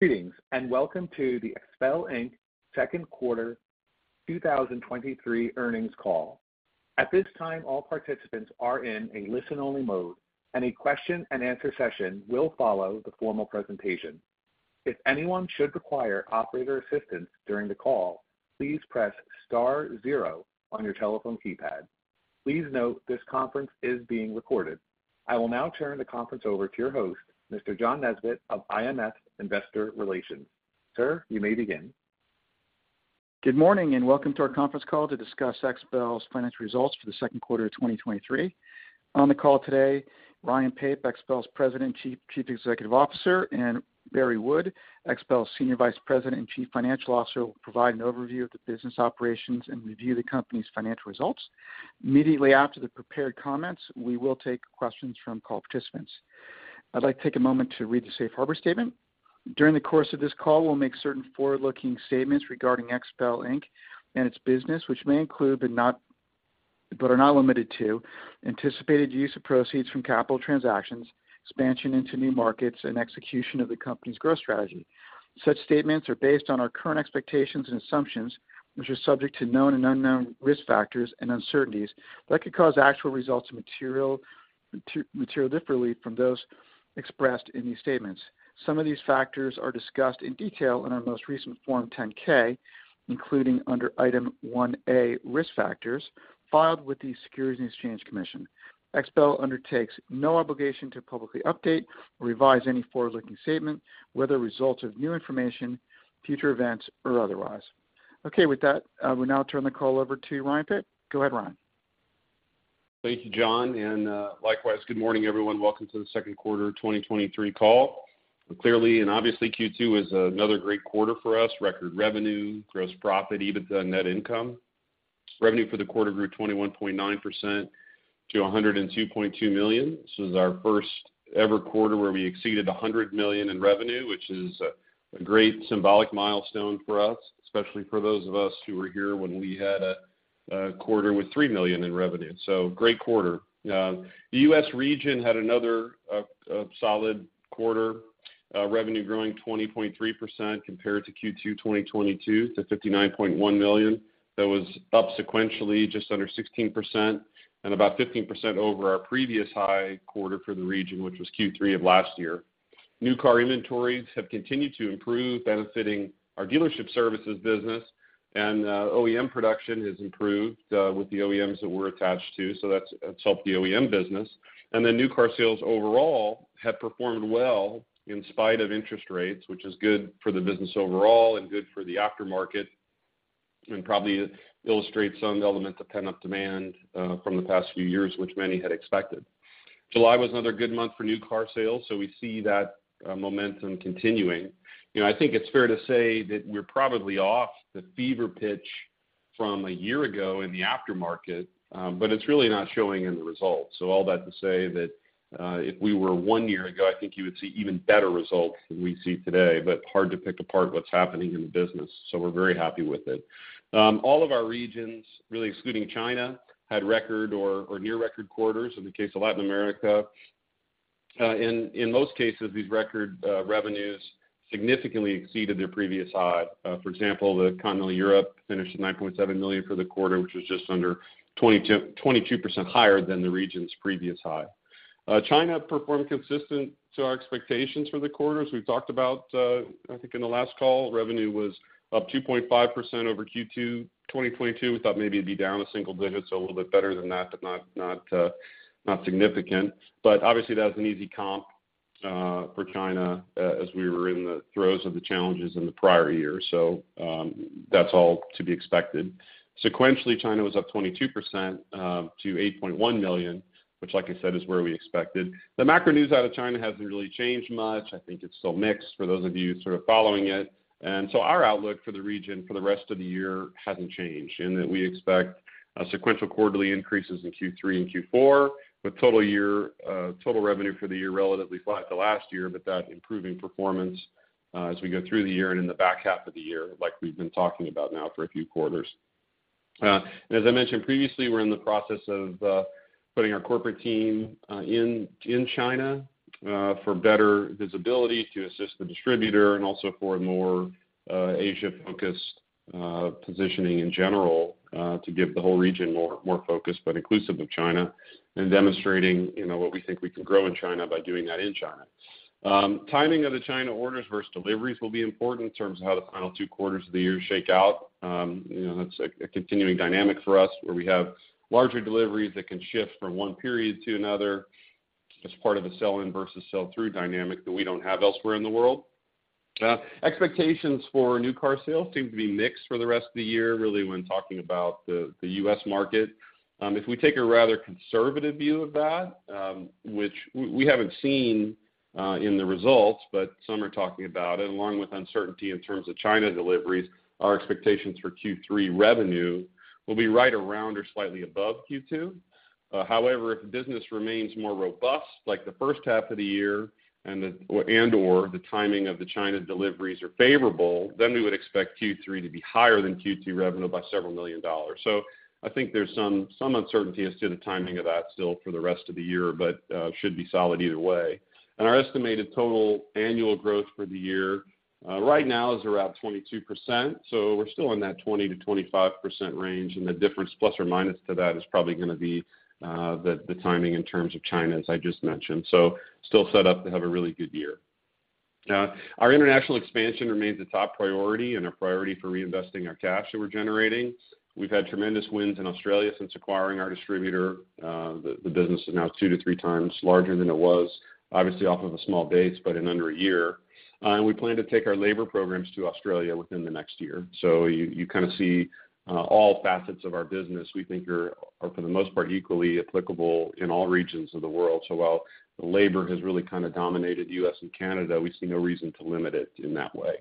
Greetings, and welcome to the XPEL Inc. Second Quarter 2023 Earnings Call. At this time, all participants are in a listen-only mode. A question-and-answer session will follow the formal presentation. If anyone should require operator assistance during the call, please press star zero on your telephone keypad. Please note, this conference is being recorded. I will now turn the conference over to your host, Mr. John Nesbett of IMS Investor Relations. Sir, you may begin. Welcome to our conference call to discuss XPEL's financial results for the second quarter of 2023. On the call today, Ryan Pape, XPEL's President and Chief Executive Officer, and Barry Wood, XPEL's Senior Vice President and Chief Financial Officer, will provide an overview of the business operations and review the company's financial results. Immediately after the prepared comments, we will take questions from call participants. I'd like to take a moment to read the safe harbor statement. During the course of this call, we'll make certain forward-looking statements regarding XPEL Inc. and its business, which may include, but are not limited to, anticipated use of proceeds from capital transactions, expansion into new markets, and execution of the company's growth strategy. Such statements are based on our current expectations and assumptions, which are subject to known and unknown risk factors and uncertainties that could cause actual results to material differently from those expressed in these statements. Some of these factors are discussed in detail in our most recent Form 10-K, including under Item 1A, Risk Factors, filed with the Securities and Exchange Commission. XPEL undertakes no obligation to publicly update or revise any forward-looking statement, whether results of new information, future events, or otherwise. Okay. With that, we now turn the call over to Ryan Pape. Go ahead, Ryan. Thank you, John, and likewise, good morning, everyone. Welcome to the second quarter of 2023 call. Clearly, and obviously, Q2 is another great quarter for us. Record revenue, gross profit, EBITDA, and net income. Revenue for the quarter grew 21.9% to $102.2 million. This is our first ever quarter where we exceeded $100 million in revenue, which is a, a great symbolic milestone for us, especially for those of us who were here when we had a, a quarter with $3 million in revenue. Great quarter. The US region had another, a solid quarter, revenue growing 20.3% compared to Q2 2022 to $59.1 million. That was up sequentially, just under 16% and about 15% over our previous high quarter for the region, which was Q3 of last year. New car inventories have continued to improve, benefiting our dealership services business. OEM production has improved with the OEMs that we're attached to, so that's, that's helped the OEM business. New car sales overall have performed well in spite of interest rates, which is good for the business overall and good for the aftermarket, and probably illustrates some element of pent-up demand from the past few years, which many had expected. July was another good month for new car sales. We see that momentum continuing. You know, I think it's fair to say that we're probably off the fever pitch from a year ago in the aftermarket, it's really not showing in the results. All that to say that if we were one year ago, I think you would see even better results than we see today, but hard to pick apart what's happening in the business, so we're very happy with it. All of our regions, really excluding China, had record or, or near record quarters in the case of Latin America. In, in most cases, these record revenues significantly exceeded their previous high. For example, the Continental Europe finished at $9.7 million for the quarter, which was just under 22% higher than the region's previous high. China performed consistent to our expectations for the quarter, as we've talked about, I think in the last call. Revenue was up 2.5% over Q2 2022. We thought maybe it'd be down a single digit, so a little bit better than that, but not, not, not significant. Obviously, that was an easy comp for China as we were in the throes of the challenges in the prior-year. That's all to be expected. Sequentially, China was up 22%, to $8.1 million, which, like I said, is where we expected. The macro news out of China hasn't really changed much. I think it's still mixed for those of you sort of following it. Our outlook for the region for the rest of the year hasn't changed, in that we expect sequential quarterly increases in Q3 and Q4, with total year, total revenue for the year relatively flat to last year, but that improving performance as we go through the year and in the back half of the year, like we've been talking about now for a few quarters. As I mentioned previously, we're in the process of putting our corporate team in China for better visibility to assist the distributor and also for a more Asia-focused positioning in general to give the whole region more, more focus, but inclusive of China, and demonstrating, you know, what we think we can grow in China by doing that in China. Timing of the China orders versus deliveries will be important in terms of how the final two quarters of the year shake out. You know, that's a continuing dynamic for us, where we have larger deliveries that can shift from one period to another as part of a sell-in versus sell-through dynamic that we don't have elsewhere in the world. Expectations for new car sales seem to be mixed for the rest of the year, really, when talking about the US market. If we take a rather conservative view of that, which we haven't seen in the results, but some are talking about it, along with uncertainty in terms of China deliveries, our expectations for Q3 revenue will be right around or slightly above Q2. However, if business remains more robust, like the first half of the year and/or the timing of the China deliveries are favorable, then we would expect Q3 to be higher than Q2 revenue by several million dollars. I think there's some, some uncertainty as to the timing of that still for the rest of the year, but should be solid either way. Our estimated total annual growth for the year, right now is around 22%, so we're still in that 20%-25% range, and the difference, plus or minus to that, is probably gonna be the, the timing in terms of China, as I just mentioned. Still set up to have a really good year. Our international expansion remains a top priority and a priority for reinvesting our cash that we're generating. We've had tremendous wins in Australia since acquiring our distributor. The, the business is now 2x-3x larger than it was, obviously off of a small base, but in under one year. We plan to take our labor programs to Australia within the next one year. You, you kind of see all facets of our business, we think are, are for the most part, equally applicable in all regions of the world. While the labor has really kind of dominated US and Canada, we see no reason to limit it in that way.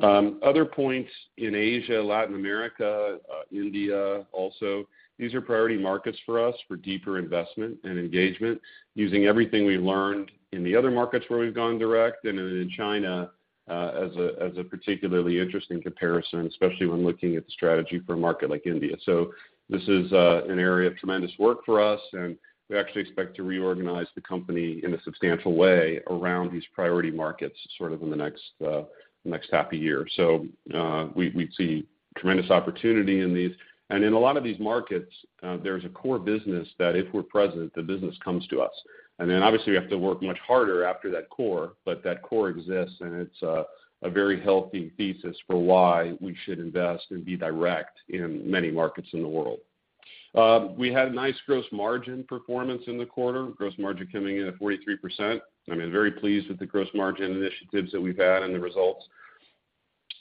Other points in Asia, Latin America, India, also, these are priority markets for us for deeper investment and engagement, using everything we learned in the other markets where we've gone direct and in China, a particularly interesting comparison, especially when looking at the strategy for a market like India. This is an area of tremendous work for us, and we actually expect to reorganize the company in a substantial way around these priority markets in the next half a year. We see tremendous opportunity in these. In a lot of these markets, there's a core business that if we're present, the business comes to us. Then obviously, we have to work much harder after that core, but that core exists, and it's a, a very healthy thesis for why we should invest and be direct in many markets in the world. We had a nice gross margin performance in the quarter. Gross margin coming in at 43%. I mean, very pleased with the gross margin initiatives that we've had and the results.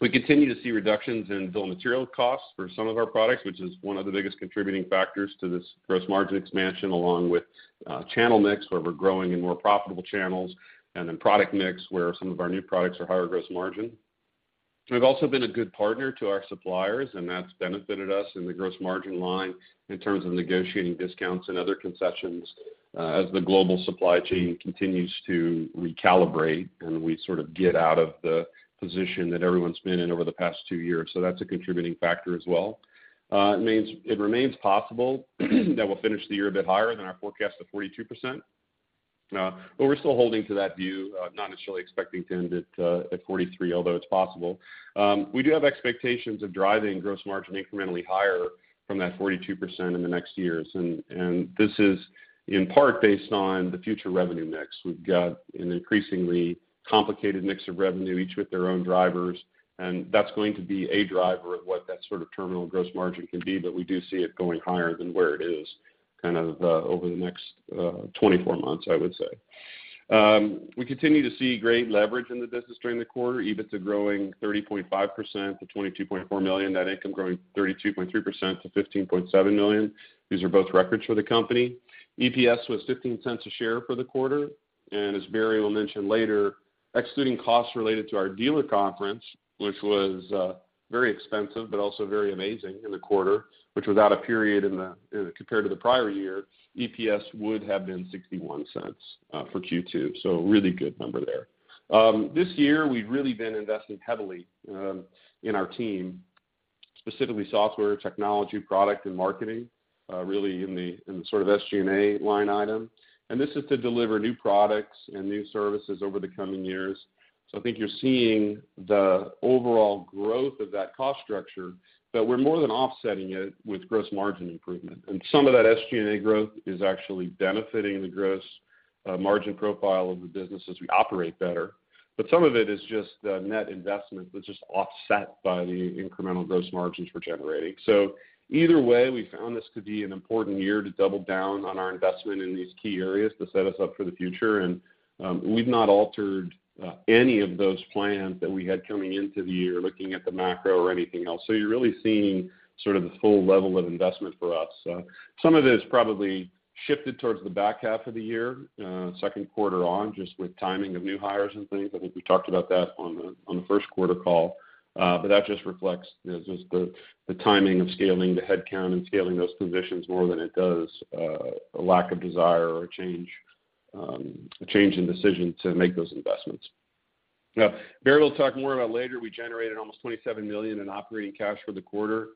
We continue to see reductions in bill of materials costs for some of our products, which is one of the biggest contributing factors to this gross margin expansion, along with channel mix, where we're growing in more profitable channels, and then product mix, where some of our new products are higher gross margin. We've also been a good partner to our suppliers, and that's benefited us in the gross margin line in terms of negotiating discounts and other concessions, as the global supply chain continues to recalibrate, and we sort of get out of the position that everyone's been in over the past two years. That's a contributing factor as well. It remains possible that we'll finish the year a bit higher than our forecast of 42%. But we're still holding to that view, not necessarily expecting to end it at 43, although it's possible. We do have expectations of driving gross margin incrementally higher from that 42% in the next years. And this is, in part, based on the future revenue mix. We've got an increasingly complicated mix of revenue, each with their own drivers, and that's going to be a driver of what that sort of terminal gross margin can be, but we do see it going higher than where it is, kind of, over the next 24 months, I would say. We continue to see great leverage in the business during the quarter, EBITDA growing 30.5% to $22.4 million. Net income growing 32.3% to $15.7 million. These are both records for the company. EPS was $0.15 a share for the quarter, and as Barry will mention later, excluding costs related to our dealer conference, which was very expensive, but also very amazing in the quarter, which without a period compared to the prior-year, EPS would have been $0.61 for Q2. A really good number there. This year, we've really been investing heavily in our team, specifically software, technology, product, and marketing, in the SG&A line item. This is to deliver new products and new services over the coming years. I think you're seeing the overall growth of that cost structure, but we're more than offsetting it with gross margin improvement. Some of that SG&A growth is actually benefiting the gross margin profile of the business as we operate better. Some of it is just net investment, which is offset by the incremental gross margins we're generating. Either way, we found this to be an important year to double down on our investment in these key areas to set us up for the future. We've not altered any of those plans that we had coming into the year, looking at the macro or anything else. You're really seeing sort of the full level of investment for us. Some of it is probably shifted towards the back half of the year, second quarter on, just with timing of new hires and things. I think we talked about that on the first quarter call, but that just reflects, you know, just the timing of scaling the headcount and scaling those positions more than it does a lack of desire or a change, a change in decision to make those investments. Barry will talk more about later. We generated almost $27 million in operating cash for the quarter.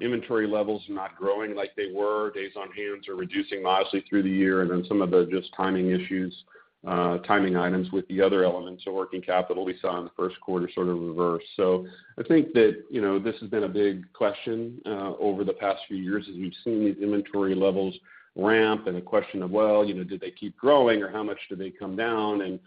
Inventory levels are not growing like they were. Days on hands are reducing modestly through the year, some of the just timing issues, timing items with the other elements of working capital we saw in the first quarter, sort of reversed. I think that, you know, this has been a big question over the past few years, as we've seen these inventory levels ramp, and the question of, well, you know, do they keep growing, or how much do they come down?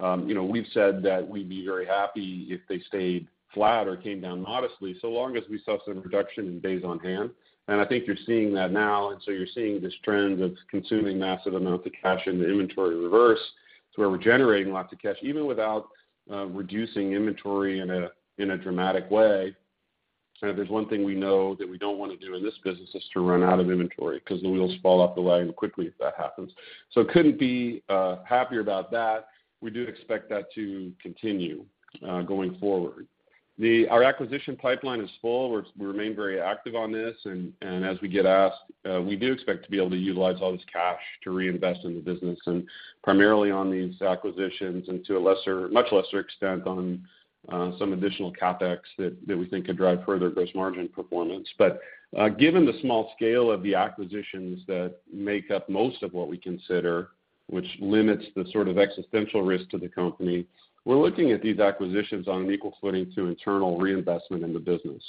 You know, we've said that we'd be very happy if they stayed flat or came down modestly, so long as we saw some reduction in days on hand. I think you're seeing that now, and so you're seeing this trend of consuming massive amounts of cash in the inventory reverse, to where we're generating lots of cash, even without reducing inventory in a dramatic way. If there's one thing we know that we don't want to do in this business is to run out of inventory, 'cause the wheels fall off the line quickly if that happens. Couldn't be happier about that. We do expect that to continue going forward. Our acquisition pipeline is full. We remain very active on this, and as we get asked, we do expect to be able to utilize all this cash to reinvest in the business, and primarily on these acquisitions, and to a lesser, much lesser extent, on some additional CapEx that, that we think could drive further gross margin performance. Given the small scale of the acquisitions that make up most of what we consider, which limits the sort of existential risk to the company, we're looking at these acquisitions on an equal footing to internal reinvestment in the business.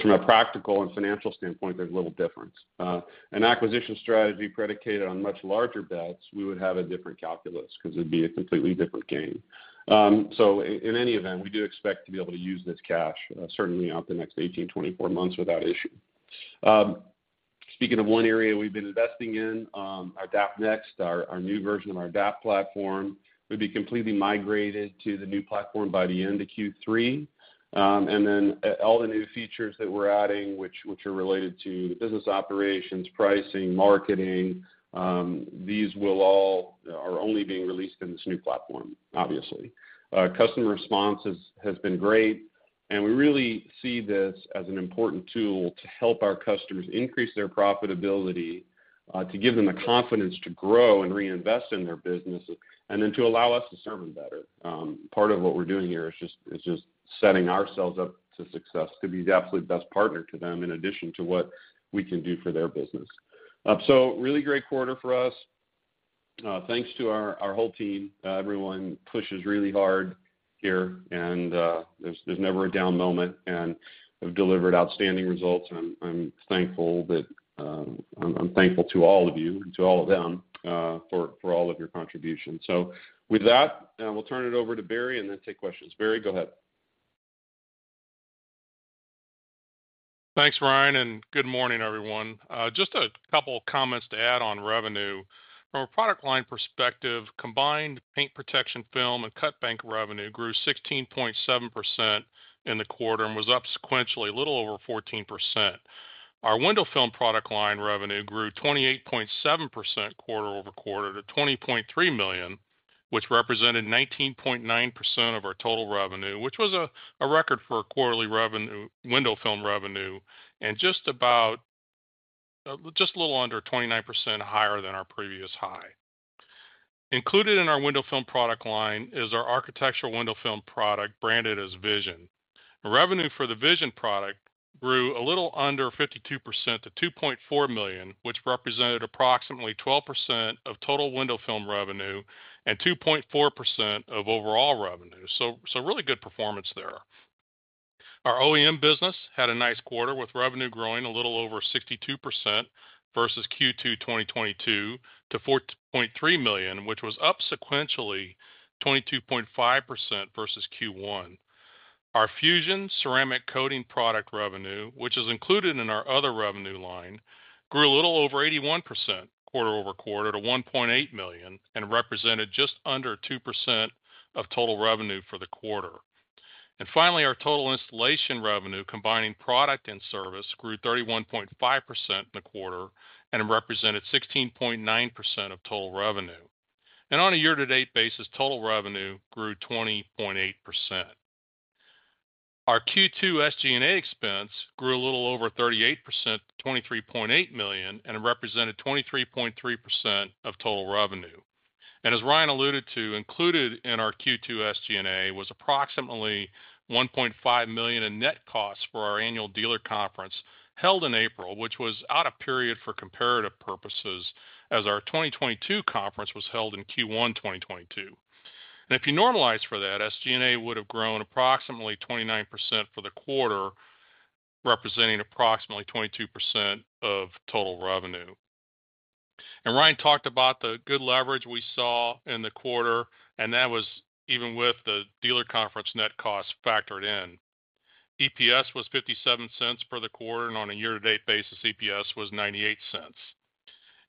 From a practical and financial standpoint, there's little difference. An acquisition strategy predicated on much larger bets, we would have a different calculus because it'd be a completely different game. In any event, we do expect to be able to use this cash, certainly out the next 18, 24 months without issue. Speaking of one area we've been investing in, our DAP Next, our, our new version of our DAP platform, will be completely migrated to the new platform by the end of Q3. Then, all the new features that we're adding, which, which are related to the business operations, pricing, marketing, these are only being released in this new platform, obviously. Customer response has been great. We really see this as an important tool to help our customers increase their profitability, to give them the confidence to grow and reinvest in their businesses, then to allow us to serve them better. Part of what we're doing here is just setting ourselves up to success to be the absolute best partner to them, in addition to what we can do for their business. Really great quarter for us. Thanks to our whole team. Everyone pushes really hard here. There's never a down moment, have delivered outstanding results. I'm thankful that. I'm, I'm thankful to all of you and to all of them, for, for all of your contributions. With that, we'll turn it over to Barry, and then take questions. Barry, go ahead. Thanks, Ryan, and good morning, everyone. Just a couple of comments to add on revenue. From a product line perspective, combined paint protection film and CutBank revenue grew 16.7% in the quarter and was up sequentially a little over 14%. Our window film product line revenue grew 28.7% quarter-over-quarter to $20.3 million, which represented 19.9% of our total revenue, which was a, a record for quarterly revenue-- window film revenue, and just about, just a little under 29% higher than our previous high. Included in our window film product line is our architectural window film product, branded as Vision. The revenue for the VISION product grew a little under 52% to $2.4 million, which represented approximately 12% of total window film revenue and 2.4% of overall revenue. Really good performance there. Our OEM business had a nice quarter, with revenue growing a little over 62% versus Q2 2022 to $4.3 million, which was up sequentially 22.5% versus Q1. Our FUSION ceramic coating product revenue, which is included in our other revenue line, grew a little over 81% quarter-over-quarter to $1.8 million and represented just under 2% of total revenue for the quarter. Finally, our total installation revenue, combining product and service, grew 31.5% in the quarter and represented 16.9% of total revenue. On a year-to-date basis, total revenue grew 20.8%. Our Q2 SG&A expense grew a little over 38% to $23.8 million, and it represented 23.3% of total revenue. As Ryan alluded to, included in our Q2 SG&A was approximately $1.5 million in net costs for our annual dealer conference held in April, which was out of period for comparative purposes, as our 2022 conference was held in Q1 2022. If you normalize for that, SG&A would have grown approximately 29% for the quarter, representing approximately 22% of total revenue. Ryan talked about the good leverage we saw in the quarter, and that was even with the dealer conference net cost factored in. EPS was $0.57 for the quarter, and on a year-to-date basis, EPS was $0.98.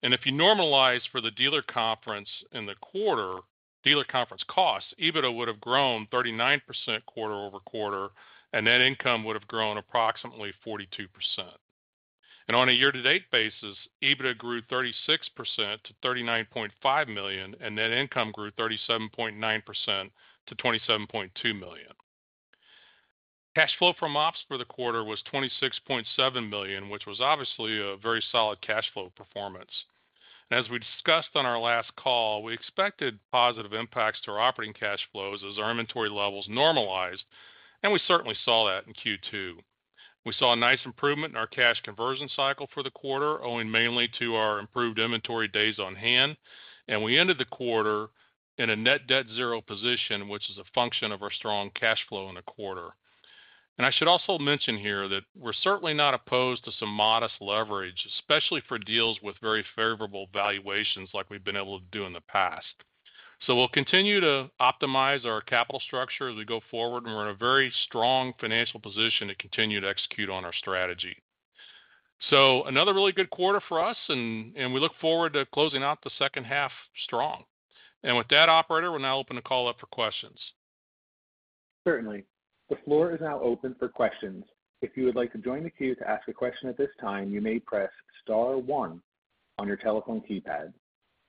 If you normalize for the dealer conference in the quarter, dealer conference costs, EBITDA would have grown 39% quarter-over-quarter, and net income would have grown approximately 42%. On a year-to-date basis, EBITDA grew 36% to $39.5 million, and net income grew 37.9% to $27.2 million. Cash flow from ops for the quarter was $26.7 million, which was obviously a very solid cash flow performance. As we discussed on our last call, we expected positive impacts to our operating cash flows as our inventory levels normalized, and we certainly saw that in Q2. We saw a nice improvement in our cash conversion cycle for the quarter, owing mainly to our improved inventory days on hand. We ended the quarter in a net debt zero position, which is a function of our strong cash flow in the quarter. I should also mention here that we're certainly not opposed to some modest leverage, especially for deals with very favorable valuations like we've been able to do in the past. We'll continue to optimize our capital structure as we go forward. We're in a very strong financial position to continue to execute on our strategy. Another really good quarter for us, and we look forward to closing out the second half strong. With that operator, we'll now open the call up for questions. Certainly. The floor is now open for questions. If you would like to join the queue to ask a question at this time, you may press star one on your telephone keypad.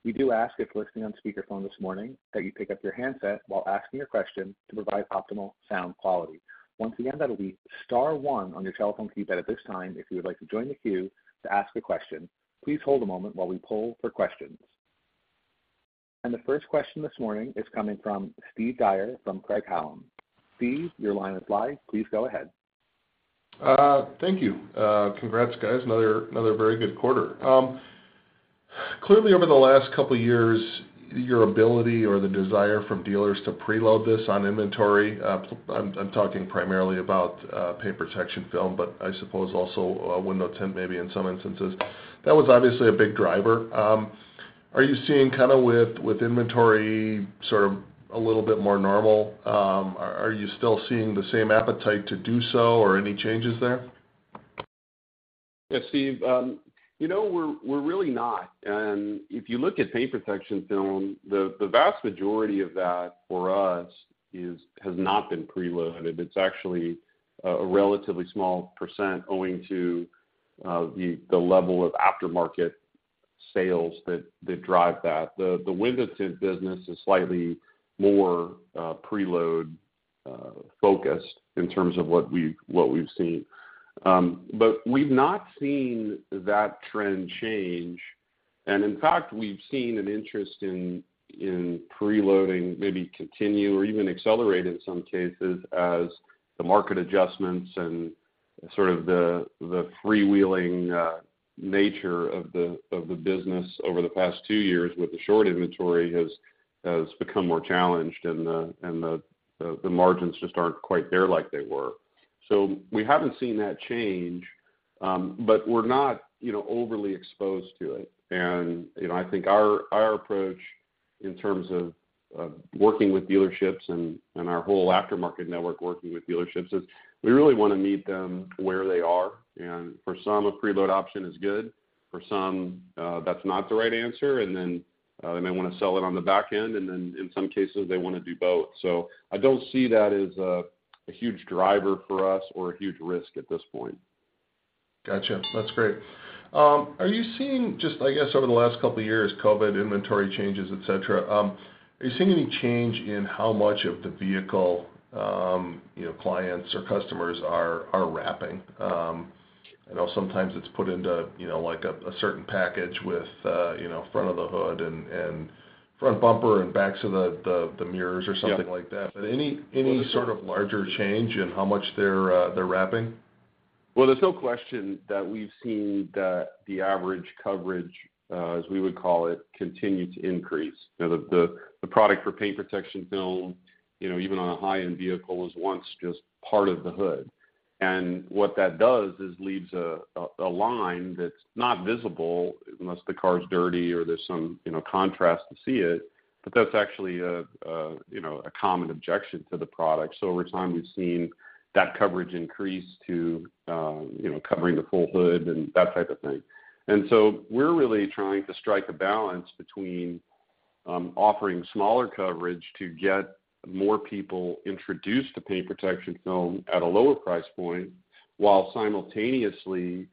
We do ask, if you're listening on speakerphone this morning, that you pick up your handset while asking your question to provide optimal sound quality. Once again, that'll be star one on your telephone keypad at this time, if you would like to join the queue to ask a question. Please hold a moment while we poll for questions. The first question this morning is coming from Steve Dyer from Craig-Hallum. Steve, your line is live. Please go ahead. Thank you. Congrats, guys. Another, another very good quarter. Clearly, over the last couple of years, your ability or the desire from dealers to preload this on inventory, I'm talking primarily about paint protection film, but I suppose also a window tint, maybe in some instances, that was obviously a big driver. Are you seeing kind of with, with inventory sort of a little bit more normal, are you still seeing the same appetite to do so or any changes there? Yeah, Steve, you know, we're, we're really not. If you look at paint protection film, the, the vast majority of that for us is, has not been preloaded. It's actually a relatively small % owing to the level of aftermarket sales that, that drive that. The, the window tint business is slightly more preload focused in terms of what we've, what we've seen. We've not seen that trend change. In fact, we've seen an interest in, in preloading maybe continue or even accelerate in some cases as the market adjustments and sort of the, the freewheeling nature of the, of the business over the past two years with the short inventory has, has become more challenged and the, and the, the margins just aren't quite there like they were. We haven't seen that change, but we're not, you know, overly exposed to it. You know, I think our, our approach in terms of, of working with dealerships and, and our whole aftermarket network, working with dealerships, is we really want to meet them where they are, and for some, a preload option is good. For some, that's not the right answer, and then, they may want to sell it on the back end, and then in some cases, they want to do both. I don't see that as a, a huge driver for us or a huge risk at this point. Gotcha. That's great. Are you seeing just, I guess, over the last two years, COVID, inventory changes, et cetera, are you seeing any change in how much of the vehicle, you know, clients or customers are, are wrapping? I know sometimes it's put into, you know, like a, a certain package with, you know, front of the hood and, and front bumper and backs of the, the, the mirrors or something like that. Yeah. Any, any sort of larger change in how much they're, they're wrapping? Well, there's no question that we've seen that the average coverage, as we would call it, continue to increase. You know, the, the, the product for paint protection film, you know, even on a high-end vehicle, was once just part of the hood. What that does is leaves a, a, a line that's not visible unless the car is dirty or there's some, you know, contrast to see it. That's actually a, a, you know, a common objection to the product. Over time, we've seen that coverage increase to, you know, covering the full hood and that type of thing. We're really trying to strike a balance between offering smaller coverage to get more people introduced to paint protection film at a lower price point, while simultaneously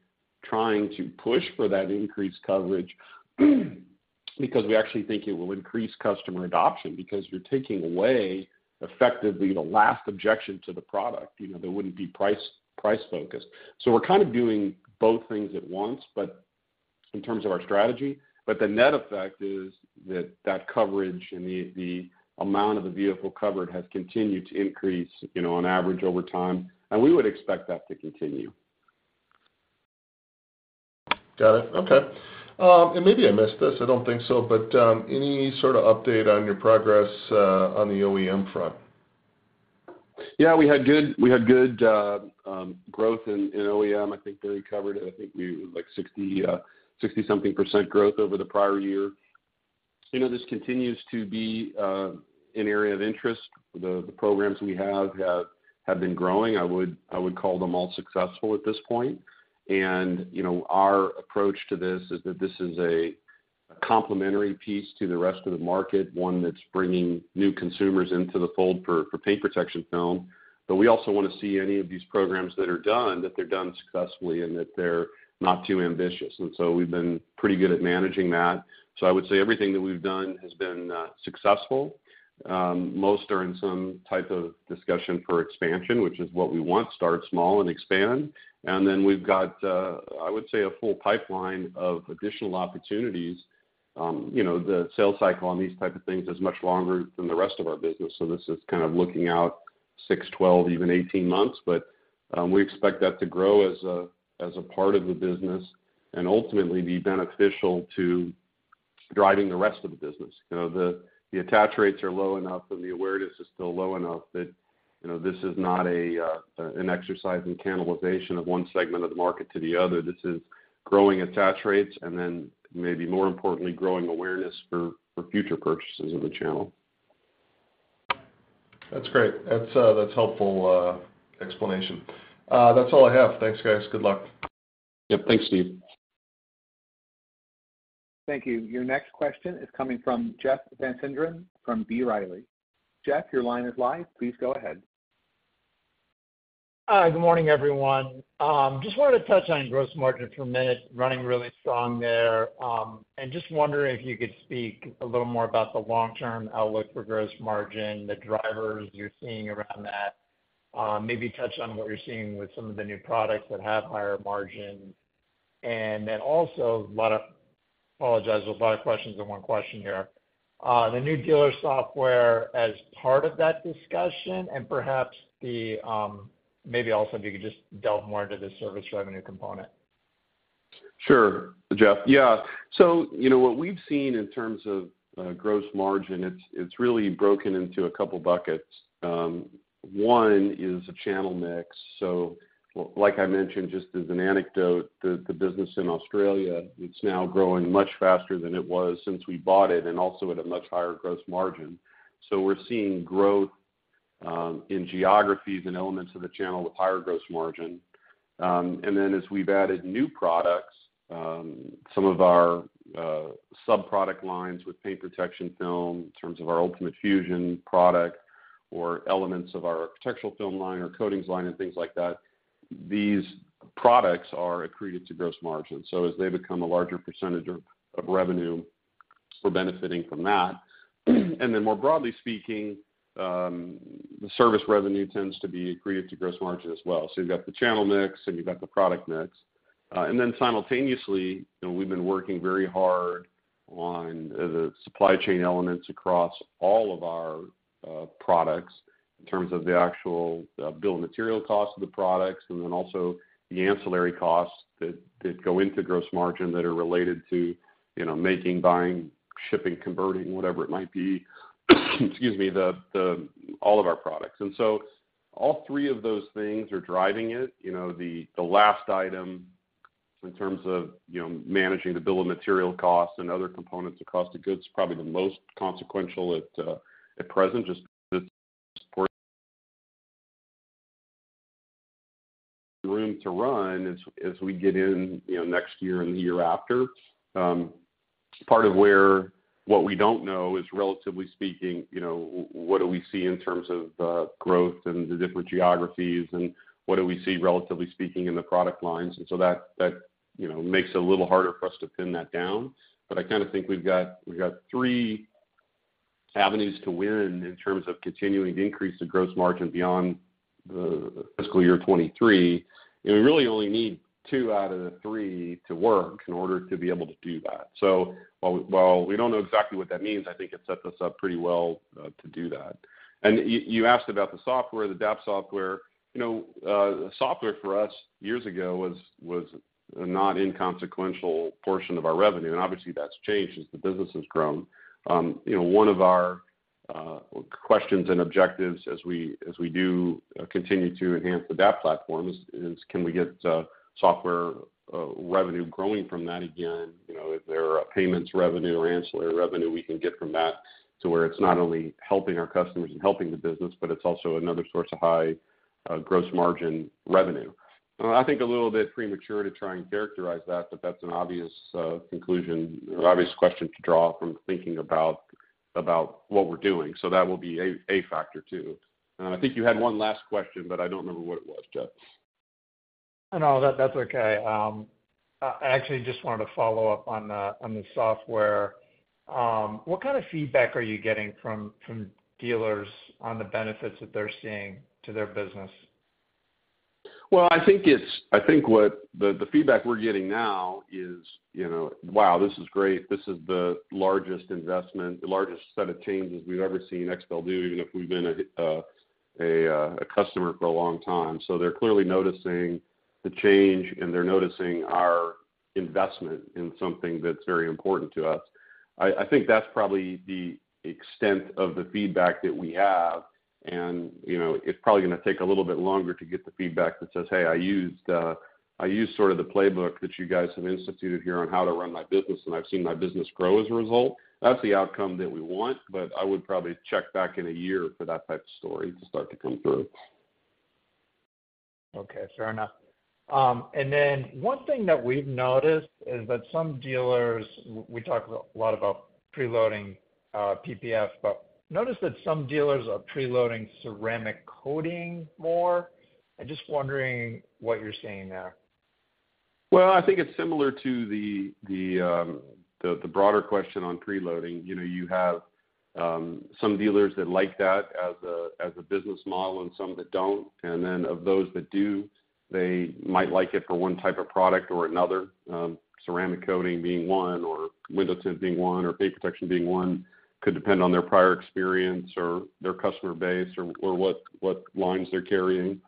trying to push for that increased coverage, because we actually think it will increase customer adoption, because you're taking away effectively the last objection to the product. You know, they wouldn't be price, price focused. We're kind of doing both things at once, but in terms of our strategy. The net effect is that, that coverage and the, the amount of the vehicle covered has continued to increase, you know, on average over time, and we would expect that to continue. Got it. Okay. Maybe I missed this. I don't think so, but any sort of update on your progress, on the OEM front? Yeah, we had good, we had good growth in OEM. I think Barry Wood covered it. I think we were like 60% something growth over the prior-year. You know, this continues to be an area of interest. The, the programs we have, have, have been growing. I would, I would call them all successful at this point. You know, our approach to this is that this is a complementary piece to the rest of the market, one that's bringing new consumers into the fold for, for paint protection film. We also want to see any of these programs that are done, that they're done successfully and that they're not too ambitious. We've been pretty good at managing that. I would say everything that we've done has been successful. Most are in some type of discussion for expansion, which is what we want, start small and expand. We've got, I would say, a full pipeline of additional opportunities. You know, the sales cycle on these type of things is much longer than the rest of our business, so this is kind of looking out 6, 12, even 18 months. We expect that to grow as a part of the business and ultimately be beneficial to driving the rest of the business. You know, the attach rates are low enough and the awareness is still low enough that, you know, this is not an exercise in cannibalization of one segment of the market to the other. This is growing attach rates and then maybe more importantly, growing awareness for future purchases of the channel. That's great. That's, that's helpful, explanation. That's all I have. Thanks, guys. Good luck. Yep. Thanks, Steve. Thank you. Your next question is coming from Jeff Van Sinderen from B. Riley. Jeff, your line is live. Please go ahead. Hi, good morning, everyone. Just wanted to touch on gross margin for a minute, running really strong there. Just wondering if you could speak a little more about the long-term outlook for gross margin, the drivers you're seeing around that. Maybe touch on what you're seeing with some of the new products that have higher margins. Also, the new dealer software as part of that discussion, and perhaps, if you could just delve more into the service revenue component. Sure, Jeff. Yeah. You know, what we've seen in terms of gross margin, it's really broken into a couple buckets. One is the channel mix. Like I mentioned, just as an anecdote, the business in Australia, it's now growing much faster than it was since we bought it, and also at a much higher gross margin. We're seeing growth in geographies and elements of the channel with higher gross margin. And then as we've added new products, some of our sub-product lines with paint protection film, in terms of our ULTIMATE FUSION product, or elements of our architectural film line, our coatings line, and things like that, these products are accreted to gross margin. As they become a larger percentage of revenue, we're benefiting from that. More broadly speaking, the service revenue tends to be accreted to gross margin as well. You've got the channel mix, and you've got the product mix. Simultaneously, you know, we've been working very hard on the supply chain elements across all of our products in terms of the actual bill and material cost of the products, and then also the ancillary costs that, that go into gross margin that are related to, you know, making, buying, shipping, converting, whatever it might be, excuse me, all of our products. All three of those things are driving it. You know, the, the last item in terms of, you know, managing the bill of material costs and other components of cost of goods, is probably the most consequential at present, just room to run as, as we get in, you know, next year and the year after. Part of where what we don't know is, relatively speaking, you know, what do we see in terms of growth in the different geographies, and what do we see, relatively speaking, in the product lines? So that, that, you know, makes it a little harder for us to pin that down. I kind of think we've got, we've got three avenues to win in terms of continuing to increase the gross margin beyond the fiscal year 2023. We really only need two out of the three to work in order to be able to do that. While, while we don't know exactly what that means, I think it sets us up pretty well to do that. You asked about the software, the DAP software. You know, software for us, years ago, was, was a not inconsequential portion of our revenue, and obviously, that's changed as the business has grown. You know, one of our questions and objectives as we, as we do continue to enhance the DAP platform is, is can we get software revenue growing from that again? You know, is there a payments revenue or ancillary revenue we can get from that, to where it's not only helping our customers and helping the business, but it's also another source of high gross margin revenue? I think a little bit premature to try and characterize that, but that's an obvious conclusion or obvious question to draw from thinking about, about what we're doing, so that will be a factor, too. I think you had one last question, but I don't remember what it was, Jeff. No, that- that's okay. I, I actually just wanted to follow up on the, on the software. What kind of feedback are you getting from, from dealers on the benefits that they're seeing to their business? Well, I think what the, the feedback we're getting now is, you know, wow, this is great, this is the largest investment, the largest set of changes we've ever seen XPEL do, even if we've been a customer for a long time. They're clearly noticing the change, and they're noticing our investment in something that's very important to us. I think that's probably the extent of the feedback that we have. You know, it's probably gonna take a little bit longer to get the feedback that says, "Hey, I used sort of the playbook that you guys have instituted here on how to run my business. I've seen my business grow as a result." That's the outcome that we want. I would probably check back in a year for that type of story to start to come through. Okay, fair enough. One thing that we've noticed is that some dealers, we talk a lot about preloading, PPF, but noticed that some dealers are preloading ceramic coating more. I'm just wondering what you're seeing there? Well, I think it's similar to the, the, the broader question on preloading. You know, you have some dealers that like that as a, as a business model and some that don't, and then of those that do, they might like it for one type of product or another, ceramic coating being one, or window tint being one, or paint protection being one. Could depend on their prior experience or their customer base or, or what, what lines they're carrying.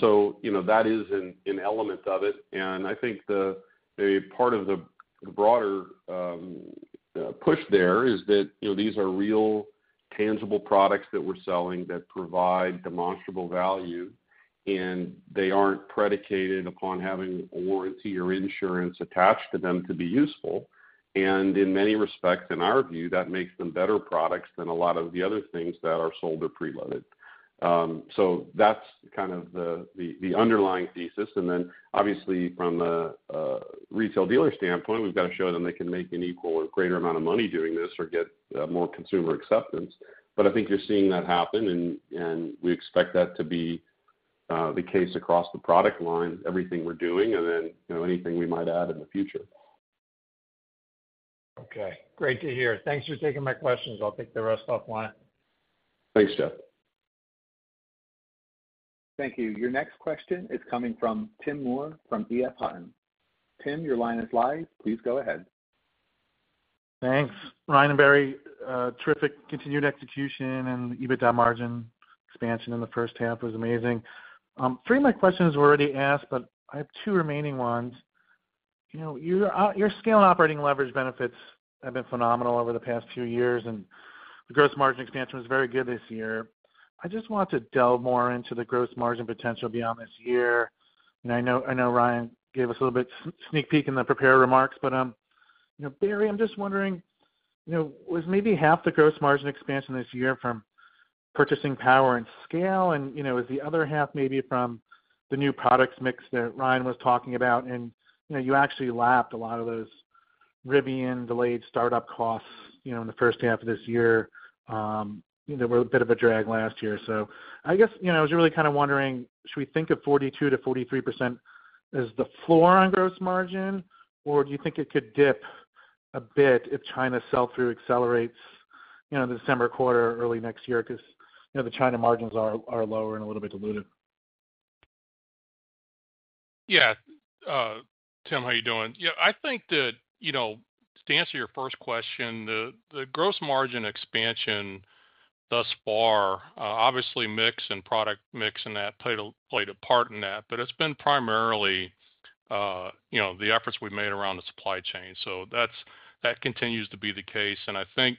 So you know, that is an, an element of it. I think the, a part of the, the broader push there is that, you know, these are real, tangible products that we're selling that provide demonstrable value, and they aren't predicated upon having a warranty or insurance attached to them to be useful. In many respects, in our view, that makes them better products than a lot of the other things that are sold or preloaded. That's kind of the, the, the underlying thesis. Then, obviously, from a, a retail dealer standpoint, we've got to show them they can make an equal or greater amount of money doing this or get more consumer acceptance. I think you're seeing that happen, and, and we expect that to be the case across the product line, everything we're doing, and then, you know, anything we might add in the future. Okay. Great to hear. Thanks for taking my questions. I'll take the rest off line. Thanks, Jeff.... Thank you. Your next question is coming from Tim Moore from EF Hutton. Tim, your line is live. Please go ahead. Thanks. Ryan and Barry, terrific continued execution and EBITDA margin expansion in the first half was amazing. Three of my questions were already asked, but I have two remaining ones. You know, your, your scale and operating leverage benefits have been phenomenal over the past few years, and the gross margin expansion was very good this year. I just want to delve more into the gross margin potential beyond this year. I know, I know Ryan gave us a little bit sneak peek in the prepared remarks, but, you know, Barry, I'm just wondering, you know, was maybe half the gross margin expansion this year from purchasing power and scale, and, you know, is the other half maybe from the new products mix that Ryan was talking about? You know, you actually lapped a lot of those Rivian delayed startup costs, you know, in the first half of this year, you know, were a bit of a drag last year. So I guess, you know, I was really kind of wondering, should we think of 42%-43% as the floor on gross margin, or do you think it could dip a bit if China's sell-through accelerates, you know, in the December quarter or early next year? Because, you know, the China margins are, are lower and a little bit diluted. Yeah. Tim, how are you doing? Yeah, I think that, you know, to answer your first question, the, the gross margin expansion thus far, obviously, mix and product mix and that played a, played a part in that, but it's been primarily, you know, the efforts we've made around the supply chain. That's-- that continues to be the case. I think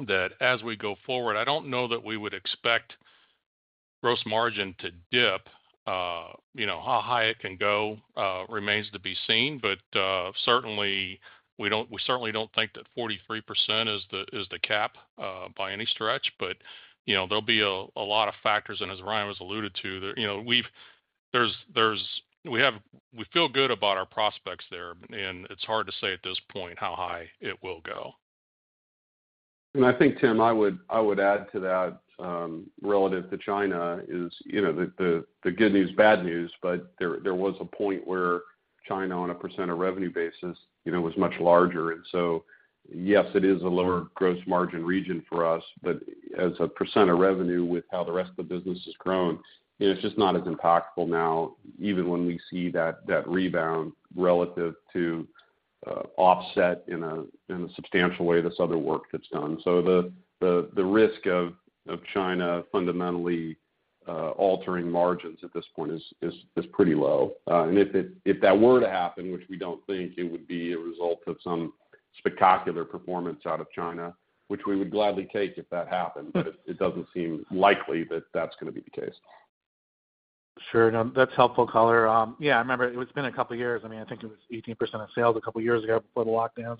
that as we go forward, I don't know that we would expect gross margin to dip. You know, how high it can go, remains to be seen, but, certainly, we don't-- we certainly don't think that 43% is the, is the cap, by any stretch. You know, there'll be a lot of factors, and as Ryan was alluded to, there, you know, we feel good about our prospects there, and it's hard to say at this point how high it will go. I think, Tim, I would, I would add to that, relative to China is, you know, the, the, the good news, bad news, but there, there was a point where China, on a % of revenue basis, you know, was much larger. Yes, it is a lower gross margin region for us, but as a % of revenue with how the rest of the business has grown, it's just not as impactful now, even when we see that, that rebound relative to, offset in a, in a substantial way, this other work that's done. The, the, the risk of, of China fundamentally, altering margins at this point is, is, is pretty low. If that were to happen, which we don't think, it would be a result of some spectacular performance out of China, which we would gladly take if that happened, but it, it doesn't seem likely that that's gonna be the case. Sure, that's helpful color. Yeah, I remember it's been a couple of years. I mean, I think it was 18% of sales a couple of years ago before the lockdowns.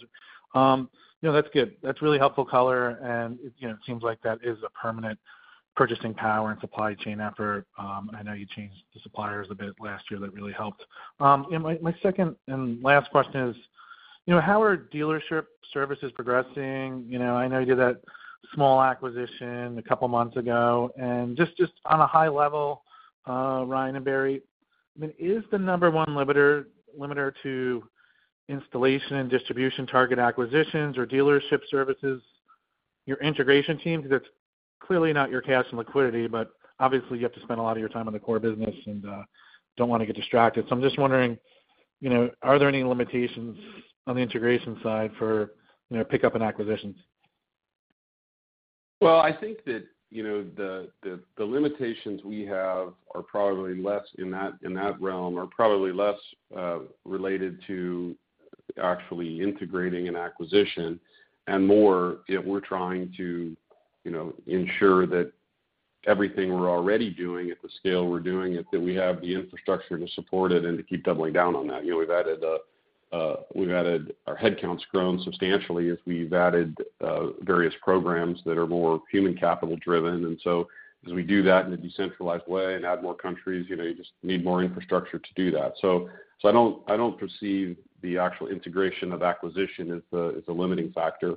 You know, that's good. That's really helpful color, and, you know, it seems like that is a permanent purchasing power and supply chain effort. I know you changed the suppliers a bit last year, that really helped. My, my second and last question is, you know, how are dealership services progressing? You know, I know you did that small acquisition a couple of months ago, and just, just on a high level, Ryan and Barry, I mean, is the number one limiter, limiter to installation and distribution, target acquisitions or dealership services, your integration team? It's clearly not your cash and liquidity. Obviously, you have to spend a lot of your time on the core business and don't wanna get distracted. I'm just wondering, you know, are there any limitations on the integration side for, you know, pickup and acquisitions? Well, I think that, you know, the, the, the limitations we have are probably less in that, in that realm, are probably less related to actually integrating an acquisition, and more if we're trying to, you know, ensure that everything we're already doing at the scale we're doing it, that we have the infrastructure to support it and to keep doubling down on that. You know, we've added, we've added, our headcount has grown substantially as we've added various programs that are more human capital-driven. So as we do that in a decentralized way and add more countries, you know, you just need more infrastructure to do that. So, so I don't, I don't perceive the actual integration of acquisition as the, as the limiting factor.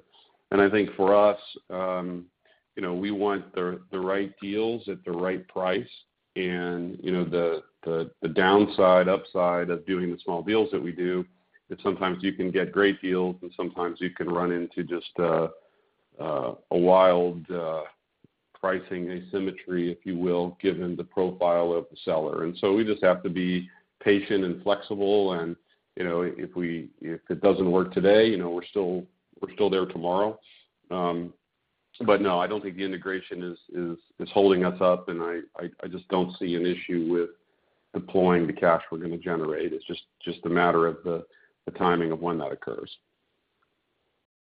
I think for us, you know, we want the, the right deals at the right price. You know, the, the, the downside, upside of doing the small deals that we do, is sometimes you can get great deals, and sometimes you can run into just a wild pricing asymmetry, if you will, given the profile of the seller. We just have to be patient and flexible, and, you know, if it doesn't work today, you know, we're still, we're still there tomorrow. No, I don't think the integration is, is, is holding us up, and I, I, I just don't see an issue with deploying the cash we're going to generate. It's just, just a matter of the, the timing of when that occurs.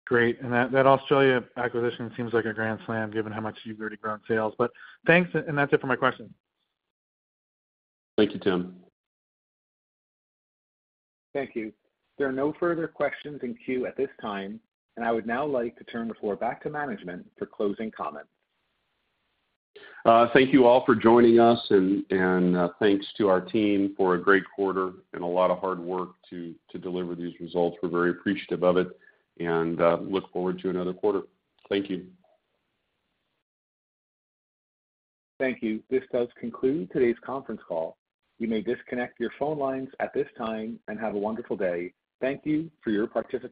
Great. That, that Australia acquisition seems like a grand slam, given how much you've already grown sales. Thanks, that's it for my question. Thank you, Tim. Thank you. There are no further questions in queue at this time. I would now like to turn the floor back to management for closing comments. Thank you all for joining us, and, and, thanks to our team for a great quarter and a lot of hard work to, to deliver these results. We're very appreciative of it and, look forward to another quarter. Thank you. Thank you. This does conclude today's conference call. You may disconnect your phone lines at this time. Have a wonderful day. Thank you for your participation.